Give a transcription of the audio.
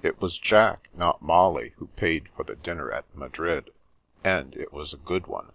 It was Jack, not Molly, who paid for the dinner at Madrid, and it was a good one.